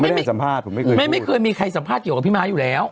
ไม่ได้ให้สัมภาษณ์ผมไม่เคยไม่ไม่เคยมีใครสัมภาษณ์เกี่ยวกับพี่ม้าอยู่แล้ว